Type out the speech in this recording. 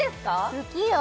好きよ